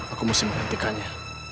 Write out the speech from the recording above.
aku mesti menghentikannya